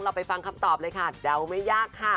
ไปฟังคำตอบเลยค่ะเดาไม่ยากค่ะ